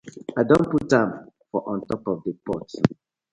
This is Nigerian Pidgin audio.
I don put am for on top of the pot.